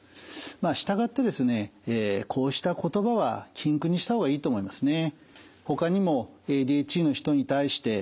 まあ従ってですねこうした言葉は禁句にした方がいいと思いますね。